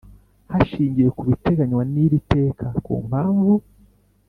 Hashingiwe ku biteganywa n iri teka ku mpamvu